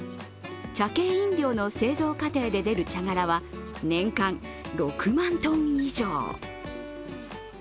茶系飲料の製造過程で出る茶殻は年間６万トン以上。